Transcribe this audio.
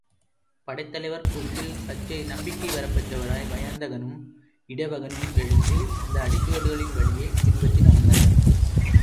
படைத் தலைவர் கூற்றில் சற்றே நம்பிக்கை வரப்பெற்றவராய் வயந்தகனும் இடவகனும் எழுந்து அந்த அடிச்சுவடுகளின் வழியே பின்பற்றி நடந்தனர்.